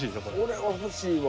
これは欲しいわ！